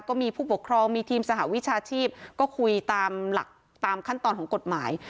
ก็มีผู้ปกครองมีทีมสหวิชาชีพก็คุยตามหลักตามขั้นตอนของกฎหมาย